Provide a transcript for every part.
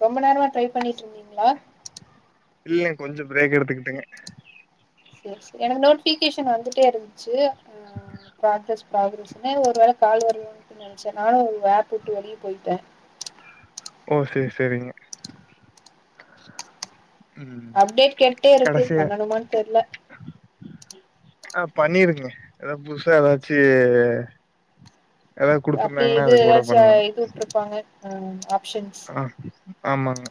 ஆரொம்ப நேரமா ட்ரை பண்ணிட்ருக்கீங்களா இல்லை கொஞ்ச பிரேக் எடுத்துக்கிட்டங்க எஸ் எனக்கு நோட்டிபிகேஷன் வந்துட்டே இருந்ச்சு பாத்த ஸ் [unintelligible] ஒரு வேல கால் வருதுனு நெனைச்சன்னானு ஒரு வே போட்டு வெளியே போயிட்ட ஓ சரி சரிங்க அப்டேட் கேட்டே இருக்கு கடைசியா பண்ணணுமான்னு தெர்ல ஆ பண்ணிருங்க ஏதோ புதுசா ஏதாச்சு ஏதாவது அப்டி குடுத்துருந்தாங்கன்னா எது அது கூட ஏதாச்சு பண்ணலாங்க இது வுட்டுருப்பாங்க ஆ ஆப்ஷன்ஸ் ஆ ஆமாங்க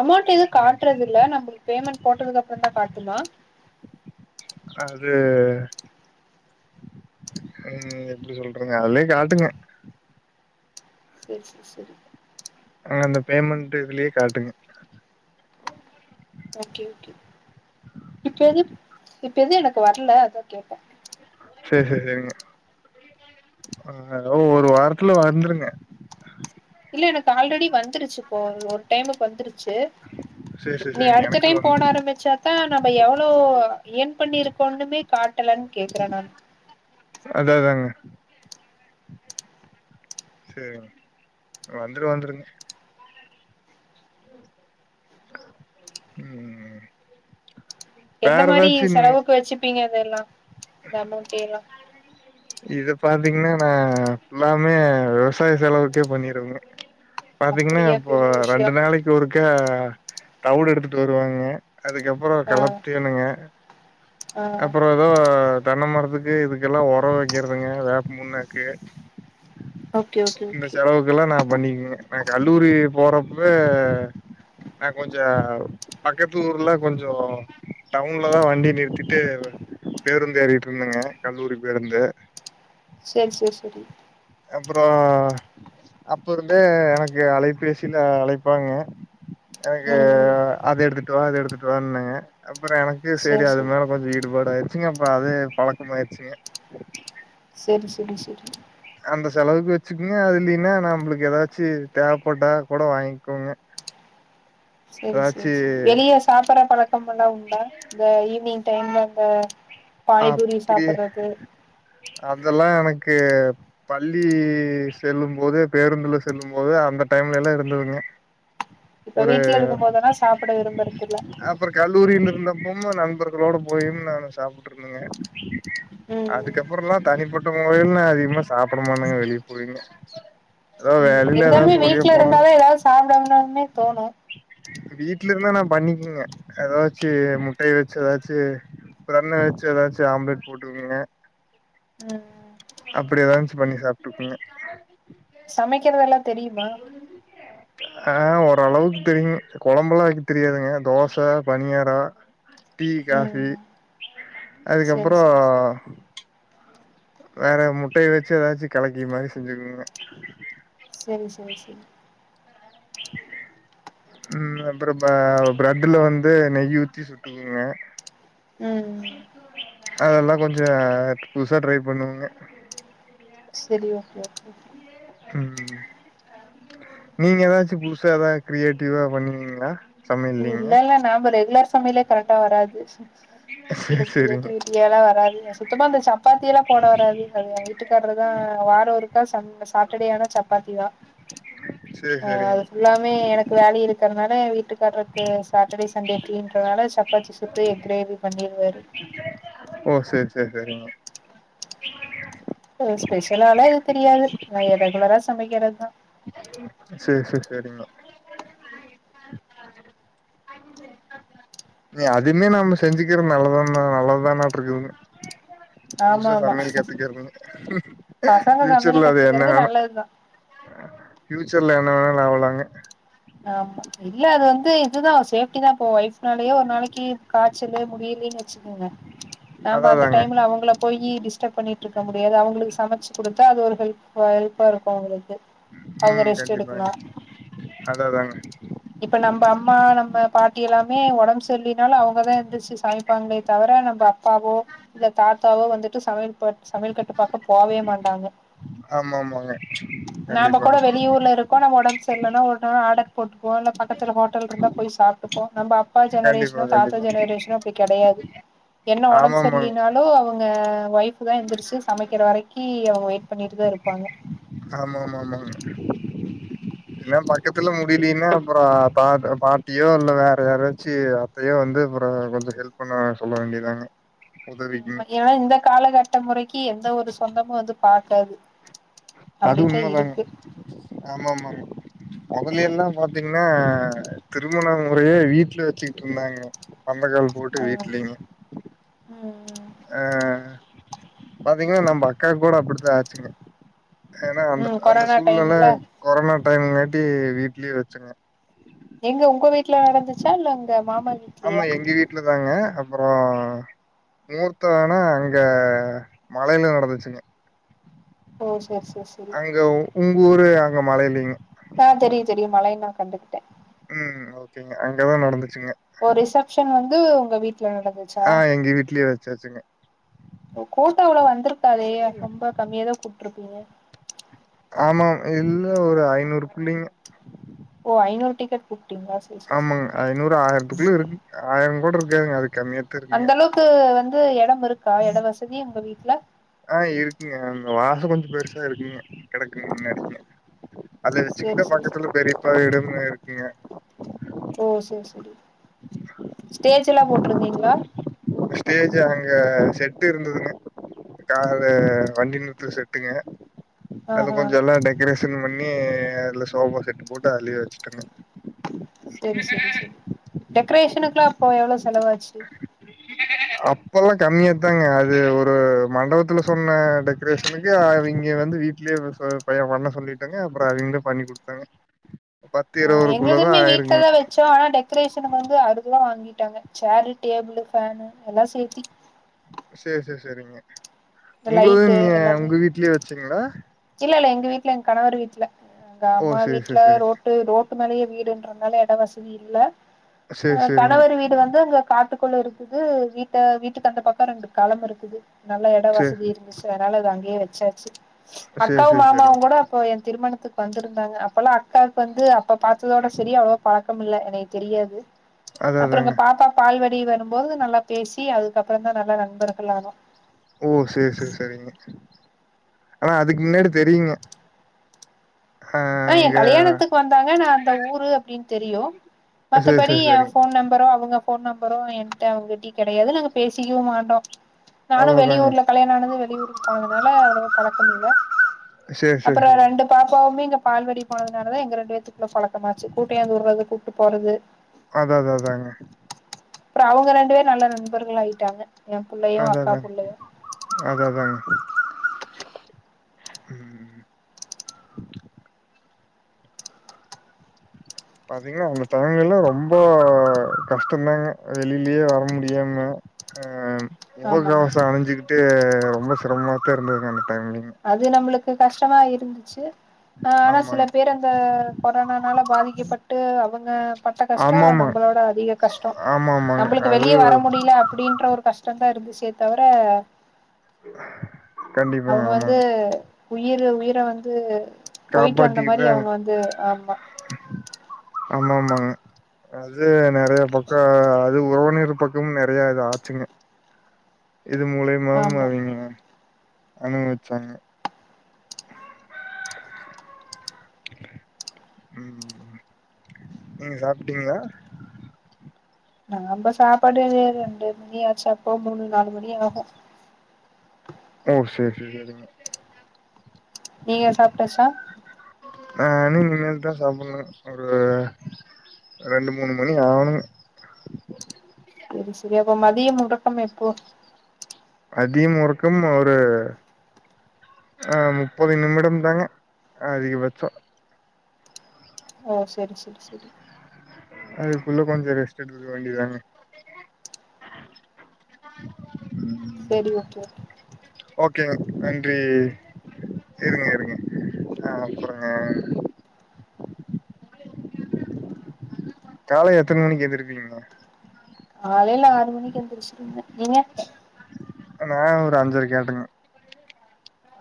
அமௌண்ட் எது ம் காட்றதுல்ல நம்மளுக்கு பேமெண்ட் போட்டதுக்கு அப்பரந்தா காட்டுமா அது ம் எப்டி சொல்றது அதுலயே காட்டுங்க சரி சர் சரி அங்க அந்த பேமண்ட் இதுலயே காட்டுங்க ஓகே ஓகே இப்ப எது இப்ப எது எனக்கு வர்ல அதா கேட்டே சேர் சேர் செரிங்க [inaudible] அ அ ஒரு வாரத்ல வந்துருங்க இல்ல எனக்கு ஆல்ரெடி வந்துருச்சுபோல் ஒரு டைமுக்கு வந்துருக் சு சேரி சேரி நீ சேரிங்க அடுத்த எனக்கு டைம் போட வந்துருச்சு ஆரம்பிச்சாதா நம்ம எவ்ளோ ஏர்ன் பண்ணிருக்கோன்னுமே காட்டலன் கேக்குற நான் [inaudible] சேரிங் வந்துரு வந்துருங்க ம் ம் எந்த மாரி செலவுக்கு வச்சுபீங்க இதெல்லா இந்த அமோண்டேலா இத பாத்தீங்கனா நா ஃபுல்லாமே விவசாய செலவுக்கே பண்ணிருவங்க பாத்தீங்கனா அப்படியா இப்போ பெரிய விஷயோ ரெண்டு நாளைக்கு ஒருக்க தவுடு எடுத்துட்டு வருவாங்க அதுக்கப்றொ ஆ களப்டீனுங்க ஆ அப்றொ எதோ தென்ன மரதுக்கு இதுக் இதுக்கெல்லா உரொ வைக்றதுங்க வேப்ப புண்ணாக்கு ஓகே ஓகே இந்த ஓகே செலவுகெல்லா நா பண்ணிக்குவங்க நா கல்லூரி போறப்பவே நா கொஞ்சொ பக்கத்து ஊர்ல கொஞ்சோ டவுன்ல தா வண்டி நிறுத்திட்டு பேருந்து ஏறிட்டு இருந்தங்க கல்லூரி பேருந்து சேர் சேர் செரி அப்றோ அப்ப இருந்தே எனக்கு அலைபேசில அழைப்பாங்க எனக்கு ம் அது எடுத்துட்டு வா இது எடுத்துட்டு வானுங்க அப்றொ எனக்கு சேரி ம் அது செரி மேல கொஞ்சொ ஈடுபாடு ஆயிருங் ச்சுங்க அப்றோ அதே பழக்கமாயிர்ச்சுங்க சேரி சேரி செரி அந்த செலவுக்கு வச்சுக்குங்க அது இல்லைனா நம்பளுக்கு ஏதாச்சு தேவபட்டா கூட வாங்கிகுவங்க சேரி சேரி சேரி வெளிய சாப்ற பழக் பழக்கம்மலா உண்டா இந்த ஈவ்னிங் டைம்ல இந்த பானிபூரி அப்டியே சாப்பறது அதெலா எனக் கு பள்ளி செல்லும்போது பேருந்துல செல்லும்போது அந்த டைம்லலா இருந்துதுங்க இப்ப வீட்ல இருக்கும்போதுதா சாப்பட விரும்பறதில்ல ப்பமு நண்பர்களோட போயிம் நானு சாப் ருந்தங்க ம் அதுக்கப்றலா தனிபட்ட முறைல்னு அதிகமா சாப்ட மாட்டங்க வெளிய போயிங்க ஏதோ வேலையில இருந்தாலுமே ஏதாவது சோழியா வீட்ல போனாலு இருந்தாவே எதாவுது சாப்டலாமே தோணு வீட்ல இருந்தா நா பண்ணிக்வுங்க எதாச்சி முட்டய வெச்சு எதாச்சி பண்ண வெச்சு எதாச்சு ஆம்லேட் போட்டு குடுங்க ம் அப்டி எதாங்ஸ் பண்ணி சாப்ட்ருபிங்க சமைக்கிறதெல்லா தெரியுமா ஆ ஓரளவுக்கு தெரிங் கொழம்பலா வெக்க தெரியாதுங்க தோச பனியாரொ டீ காஃபி ம் செரி அதுக்கறோ செரி செரி வேற முட்டய வச்சு ஏதாச்சு கலக்கி மாரி செஞ்சுகுவங்க செரி செரி செரி ம் அப்றோ ப பிரட்டுல வந்து நெய்யி ஊத்தி சுட்டுகுவங்க ம் ம் ம் அதெல்லா கொஞ்ச புதுசா ட்ரை பண்ணுவங்க சரி ஓகே ம் நீங்க ஏதாச்சு புதுசா ஏதாவது கிரியேட்டிவா பண்ணுவீங்களா சமையல் நீங்க இல்லல்ல நாம ரெகுலர் சமையலே கரெக்டா வராது இதுல சேரி சேரிங்க க்ரியேட்டிவிட்டி எலா வராது சுத்தமா இந்த சப்பாத்தி எல்லா போட வராது அது எ வீட்டுக்காரருதா வாரோ ஒருக்கா ச சாட்டடே ஆனா சப்பாத்திதா சேரி அ சேரிங்க அது ஃபுல்லாமே எனக்கு வேலை இருக் க்கறனால எ வீட்டுக்கா க்கு சாட்டடே சண்டே ப்ரீன்றதுனால சப்பாத்தி சுட்டு எக் கிரேவி பண்ணிறுவாரு ஓ சேரி சேரி சேரிங்க கொஞ்சோ ஸ்பெஷலால எது தெரியாது நா எ ரெகுலரா சமைக்றத்தா சேர் சேர் சேரிங்கோ நீ அதுமே நாம செஞ்சுக்றது நல்லதான நல்லதுதானாட்ருக்குதுங்க ஆமா புருச ஆமா சமையல் கத்துக்குறதுங்க பசங்க சமையல் பியூச்சர்ல அது என்ன கத்துக்கறது ஆன நல்லதுதா பியூச்சர்ல என்ன வேணாலு ஆவலாங்க ஆமா இல்ல அது வந்து இதுதா சேஃப்ட்டி தான் போ ஒய்ஃப்னாலயே ஒரு நாளைக்கு காய்ச்சலு முடியலன்னு வச்சுக்குங்க நாம அந்த அதாதாங்க டைம்ல அவங்கள போய் டிஸ்டர்ப் பண்ணிட்ருக்க முடியாது அவங்களுக்கு சமச்சு குடுத் தா அது ஒரு ஹெல்ப் ஹெல்ப்பா இருக்கு அவுங்களுக்கு அவுங்க ம் ரெஸ்ட் கண்டிப்பாங்க எடுக்கனு அதாதாங்க இப்ப நம்ப அம்மா நம்ம பாட்டி எல்லாமே உடம்புஸ் தொல்லினாலு அவங்கதான் எந்த சிஸ் சமைப்பாங்களே தவர நம்ப அப்பாவோ இல்ல தாத்தாவோ வந்து ட்டு சமையல்ப சமயல் கட்டு பக்க போவே மாட்டாங்க ஆமா ஆமாங்க நாம கூட கண்டிப்பாங்க வெளியூர்ல இருக்கோ நம்ம உடம்பு செருலனா ஒ ருனா ஆடர் போட் போன பக்கத்துல ஹோட்டல் இருந்தா போய் சாப்ட்டுப்போ நம்ப அப்பா கண்டிப்பா ஜெனரேஷனு தாத்தா கண்டிப்பா ஜெனரேஷனு அப்டி கெடையாது என்ன ஆமா உடம்பு ஆமாங்க சரியலனாலு அவங் க வைஃப் தா எந்திருச்சு சமைக்கிற வரைக்கி அவ வெயிட் பண்ணிட்டுதா இருப்பாங்க என்ன பக்கத்துல முடிலேனா அப்புற பா பாட்டியோ இல்ல வேற யாராச்சு அத்தையோ வந்து அப்ற கொஞ்சொ ஹெல்ப் பண்ண சொல்ல வேண்டியதாங்க உதவிக்குங் ஆமா ஏன்னா இந்த காலகட்ட முறக்கி எந்த ஒரு சொந்தமு வந்து பாக்காது அது அப்டித்தா உண்ம தாங்க இருக்கு ஆமா ஆமாங் மொதலெல்லாம் பாத்தீங்கன்னா திருமண முறையே வீட்ல வச்சுட்டு இருந்தாங்க பந்தக்கால் போட்டு ஆ வீட்லயுமே ம் ஆ பாத்தீங்ன்னா நம்ப அக்காக்கூட அப்டித்தான் ஆச்சுங்க ஏனா அந்த ம் அந்த கொரோனா சூழ்நல டைம்ல கொரோனா டைம்ங்காட்டி வீட்லியே வச்சுங்க எங்க ஒங்க வீட்ல நடந்துச்சா இல்ல அங்க ஆமா எங்க வீட்ல தாங்க அப்புறோ முகூர்த்தோ ஆனா எங்க மலையில நடந்துச்சுங்க ஓ செரி செரி அங்கோ உங்க ஊரு அங்க மலை இல்லிங் ஆ தெரியும் தெரியும் மலை நா கண்டுகிட்டேன் ம் ஓகேங்க அங்கதான் நடந்து ஓ ரிசப்ஷன் வந் வந்து உங்க வீட் ல நடந்துச்சா ஆ எங்க வீட்லயே வச்சாச்சுங்க கோ கோட்டாவுள வந்துருக்காதே ரொம்ப கம்மியாதா கூப் விட்ருப்பீங்க ஆமா இல்ல ஒரு ஐநூறு புள்ளிங்க ஓ ஐநூறு டிக்கெட் புக் ஆமாங்க ஐநூறு ஆயிரொத்துக்குள்ள இருக்கு ஆயிரோ கூட இருக் காங்க அதுக் அந்த அளவுக்கு வந் எடம் இருக்கா எடம் வசதி உங்க வீட்ல ஆ இருக்குங்க அங்க வாச கொஞ்சோ பெருசா இருக்குங்க கெடக்குங்க பிண்ணாடிங்க அதுல சேரி சின்ன சேரி சேரி பக்கத்துல பெரிப்பா வீடும் பூங்கா இருக்குங்க ஓ செரி செரி ஸ்டேஜுலா போட் இப்பற்ந்தீங்களா க ஷெட்டு இருந்துதுங்க கா இது வண்டி நிறுத்துற ஷெட்டுங்க அதுல ஆஹா கொஞ்ஜோ எல்லா டெக்கரேஷன் பண் ணி அதுல சோஃபா செட்டு போட்டு அதுலயே வெச்சுட்டோங்க செரி செரி செரி டெக்கரேஷனுக்குலா அப்போ எவ்ளோ செலவாச்சு அப்பலா கம்மியாத்தாங்க அது ஒரு மண்டபத்துல சொன்ன டெக்கரேஷனுக்கு அவிங்க வந்து வீட்லயே சொ பைய பண்ண சொல்லிட்டங்க அப்றோ அவிங்களே பண்ணிக் குடுத்தாங்க ஆ தான் எங்குளுதுமே ஆயிருக்குங்க. வீட்டுலதா வெச்சோ ஆனா டெக்கரேஷனுக்கு வந்து அறுவதுபா வாங்கி டாங்க ஷேரு டேபிளு ஃபேனு எல்லா சேத்தி சேர் சேர் செரிங்க இந்த உங்களதா லைட்டு நீயே எல்லாமே உங்க வீட்லயே வெச்சீங்களா இல்ல இல்ல எங்க வீட்ல எங்க கணவர் வீட்ல அங் அங்க ஓ அம்மா சேரி வீட்ல சேரி சேரிங்க ரோட்டு ரோட்டு மேலயே வீடுன்ற அதனால எட வசதி இல்ல சேரி அ சேரிங்க கணவர் வீடு வந்து இங்க காட்டுப் குள்ள இருக்குது வீட்ட வீட்டுக்கு அந்த பக்கம் ரெண்டு களம் இருக்குது நல்லா எடோ சேரி வசதி இருந்துச்சு அ அதனால அது அங்கேயே வெச்சாச்சு சேரி அக்காவு சேரி சேரிங்க மாமாவுங் கூட அப்போ எ திருமணத்துக் வந்துருந்தாங்க அப்பலா அக்காவுக்கு வந்து அப்ப பார்த்ததோட செரி அவள பாக்க முட்ல என்னயக்கு தெரியாது அதா அப்புறங்க அதாங்க பாப்பா பால்வா டி வரும்போது நல்லா பேசி அதுக்கப்புறோந்தா நல்லா நண்பர்களானோ ஓ சேர் சேர் சரிங்க ஆனா அதுக்கு முன்னாடி தெரியுங்க ஆ ஏன் கலியாணத்துக்கு வந்தாங்க நா அந்த ஊரு அப்டின் தெரியு சேரி மத்தபடி சேரி ஏன் சேரிங்க ஃபோன் நம்பரு அவங்க போ ஃபோன் நம்பரு என்கிட்ட அவங்கிட்டயு கெடையாது நாங்க பேசிக்கவு மாட்டோ அதா நானு அதாங்க வெளியூர்ல கலியாணஆனது வெளியூர் அதனால அவ்ளவ பழக்கம் இல்ல சேரி சேரி அப்ற சேரிங்க ரெண்டு பாப்பாவுமே இங்க பால்வடி போனதுனாலதா எங்க ரெண்டு வேத்துக்குள்ள பழக்கமாச்சு கூட்டியாந்து விற்றது கூட்டு போறது அதா அத அதாங்க அப்றம் அவங்க ரெண்டு வேரு நல்ல நண்பர்களாயிட்டாங்க அததங்க அததாங்க [unintelligible] பாத்தீங்கன்னா அவங்க [unintelligible] லா ரொம்ப கஷ்டந்தாங்க வெளிலியே வர முடியாம ஆ முக ஆமா ஆமா கவசோ அணிஞ்சுகிட்டு ரொம்ப சிரமா தான் இருந்துருக்காங்க அது நம்ளுக்கு கஷ்டமா இருந்துச்சு அ ஆனா சில ஆமாங்க பேர் அந்த கொரனானால பாதிக்கப்பட்டு அவங்க பட்ட கஷ்டொ ஆமாமா நம்பளோட அதிக கஷ்டம் ஆமா ஆமாங்க நம்புளுக்கு அது வெளிய வர முடில அப்டின்ற ஒரு கஷ்டம் தா இருந்துச்சு யே தவர [inaudible] அவுங்க வந்து ஆமாங்க. உயிரு உயிர வந்து போயிட்டு வந்த மாரி அவங்க வந்து ஆமா ஆமாமாங்க அது நறைய பக்க அது உறவினர் பக்கமு நறைய இது ஆச்சுங்க இது மூலியமாவு ஆமா அவிங்க அனுபவிச்சாங்க ம் நீங் சாப்ட்டீங்கலா நாம்ப சாப்பாடு ரெண்டு மணியாச்சா அப்போ மூணு நாலு மணி ஆகு ஓ சேர் சேரி செரிங்க நீங்க சாப்ட்டாச்சா ஆஹ் இனிமேல் தா சாப்பணு ஒரு ரெண்டு மூணு மணி ஆணும் சரி சரி அப்போ மதிய முடக்கம் எப்போ அதி முறுக்கும் ஒரு ஆ முப்பது நிமிடம் தாங்க அதிகபட்சொ ஓ செரி செரி செரி அதுக்குள்ள கொஞ்ச ரெஸ்ட் எடுத்துக்க வேண்டிதானே செரி ஓகே கேங்க நன்றி இருங்க இருங்க ஆ அப்பொறங்க காலை எத்தன மணிக்கு எந்திருப்பீங்க காலைல ஆறு மணிக்கி எந்திரிச்சிருவங்க நீங்க நா ஒரு அஞ்சர கேட்டங்க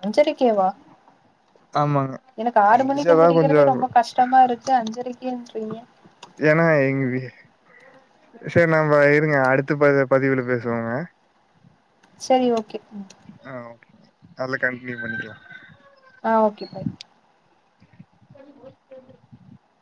அஞ்சரக்கேவா ஆமாங்க எனக்கு ஆறு மணிக்கி எந்திரிச்சாதா கொஞ்சோ எந்திரிக்கிறதே ரொம்ப கஷ்டமா இருக்கு அஞ்சரக் ஏன்த்றீய ஏன்னா எங்குகு சரி நம்ப இருங்க அடுத்த ப பதிவுல பேசுவோங்க சரி ஓகே ஆ ஓகே அத்ல கண்ட்னியூ பண்ணிகிலா ஆ ஓகே பாய்